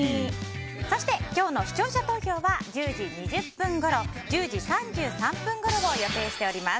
そして今日の視聴者投票は１０時２０分ごろ１０時３３分ごろを予定しております。